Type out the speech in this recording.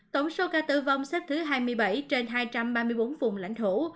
tổng số ca tử vong xếp thứ hai mươi bảy trên hai trăm ba mươi bốn vùng lãnh thổ